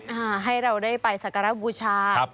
อ่าให้เราได้ไปศักระบูชา